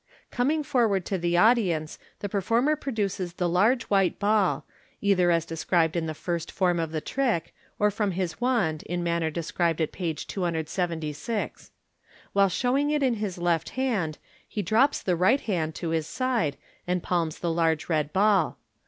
Coming forward to the audience, the performer produces the large white ball, either as described in the first form of the trick, or from his wand in manner described at page 276. While showing it in his left hand, he drops the right hand to his side, and palms the large red ball.